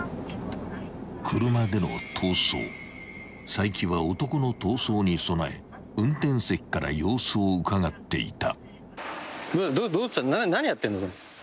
［齋木は男の逃走に備え運転席から様子をうかがっていた］